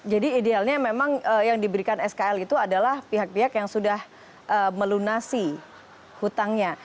jadi idealnya memang yang diberikan skl itu adalah pihak pihak yang sudah melunasi hutangnya